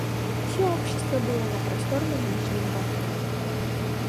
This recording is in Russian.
Всё общество было на просторном нижнем балконе.